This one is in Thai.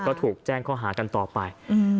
ก็ถูกแจ้งข้อหากันต่อไป